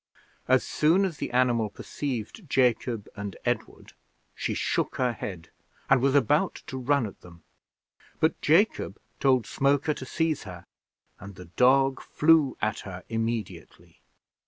As soon as the animal perceived Jacob and Edward, she shook her head, and was about to run at them; but Jacob told Smoker to seize her, and the dog flew at her immediately.